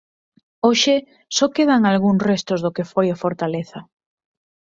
Hoxe só quedan algúns restos do que foi a fortaleza.